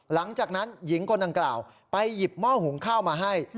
หลังจากนั้นหญิงคนดังกล่าวไปหยิบหม้อหุงข้าวมาให้